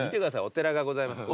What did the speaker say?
お寺がございます。